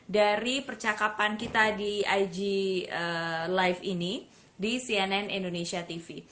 dari percakapan kita di ig live ini di cnn indonesia tv